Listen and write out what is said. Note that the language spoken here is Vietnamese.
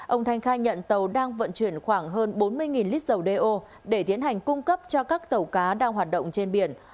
ông thanh khai nhận tàu đang vận chuyển khoảng hơn bốn mươi lít dầu đeo để tiến hành cung cấp cho các tàu cá đang hoạt động trên biển